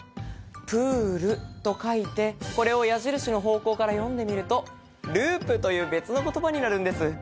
プールと書いてこれを矢印の方向から読んでみるとループという別の言葉になるんです